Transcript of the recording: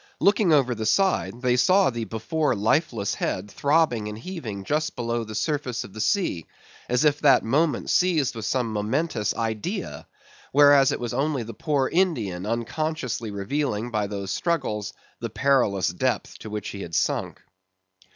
Looking over the side, they saw the before lifeless head throbbing and heaving just below the surface of the sea, as if that moment seized with some momentous idea; whereas it was only the poor Indian unconsciously revealing by those struggles the perilous depth to which he had sunk.